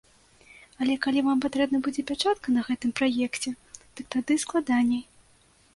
Але калі вам патрэбна будзе пячатка на гэтым праекце, дык тады складаней.